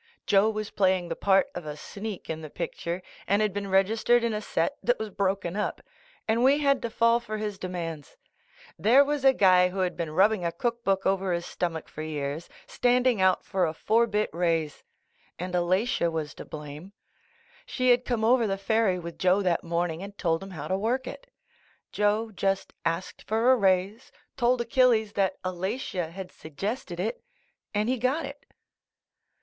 Joe was playing the part of a sneak in the picture, and had been registered in a set that was broken up, and we had to fall for his demands. There was a guy who had been rubbing a cook book over his stomach for years, standing out for a four bit raise. And Alatia was to blame. She had come over the ferry with Joe that morning and told him how to work it. Joe just asked for a raise, told Achilles that Alatia had suggested it — and he got it.